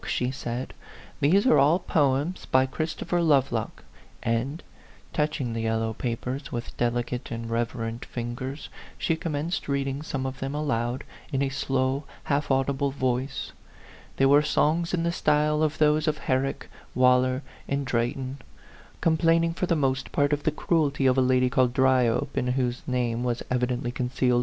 she said, " these are all poems by Christopher Lovelock;" and, touching the yellow papers with delicate and reverent fin gers, she commenced reading some of them aloud in a slow, half audible voice. They were songs in the style of those of Herrick, Waller, and Drayton, complaining for the most part of the cruelty of a lady called Dry ope, in whose name was evidently concealed A PHANTOM LOVER.